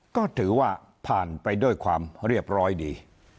ก็ถือว่าผ่านไปด้วยความเรียบร้อยดี